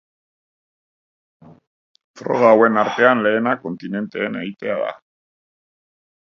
Froga hauen artean lehena kontinenteen eitea da.